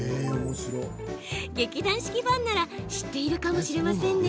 劇団四季ファンなら知っているかもしれませんね。